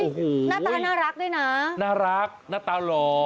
โอ้โหหน้าตาน่ารักด้วยนะน่ารักหน้าตาหล่อ